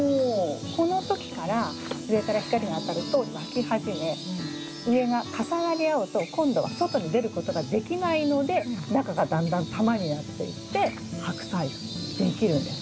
この時から上から光が当たると巻き始め上が重なり合うと今度は外に出ることができないので中がだんだん球になっていってハクサイができるんです。